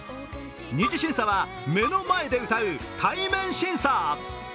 ２次審査は目の前で歌う対面審査。